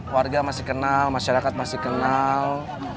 warga masih kenal masyarakat masih kenal